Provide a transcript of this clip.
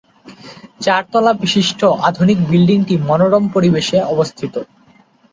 চারতলা বিশিষ্ট আধুনিক বিল্ডিংটি মনোরম পরিবেশে অবস্থিত।